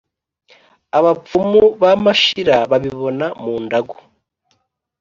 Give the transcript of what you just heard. abapfumu ba mashira babibona mu ndagu